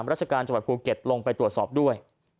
ราชการจังหวัดภูเก็ตลงไปตรวจสอบด้วย